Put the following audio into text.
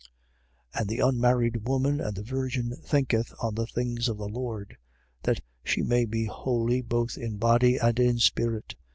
7:34. And the unmarried woman and the virgin thinketh on the things of the Lord: that she may be holy both in body and in spirit.